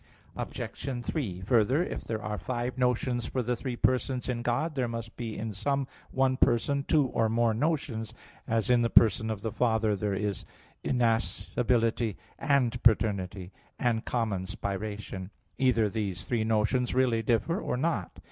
Obj. 3: Further, if there are five notions for the three persons in God, there must be in some one person two or more notions, as in the person of the Father there is innascibility and paternity, and common spiration. Either these three notions really differ, or not.